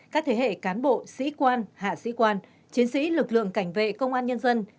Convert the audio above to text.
các thế hệ cán bộ sĩ quan hạ sĩ quan chiến sĩ lực lượng cảnh vệ công an nhân dân